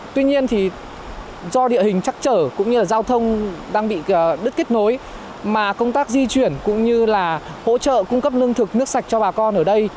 tuy nhiên thì do địa hình chắc trở cũng như là giao thông đang bị đứt kết nối mà công tác di chuyển cũng như là hỗ trợ cung cấp lương thực nước sạch cho bà con ở đây